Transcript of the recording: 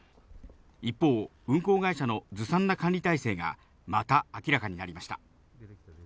一方、運航会社のずさんな管理体制が、また明らかになりました。